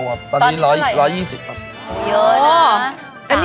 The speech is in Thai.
ตอนนี้๑๒๐กิโลครับมาก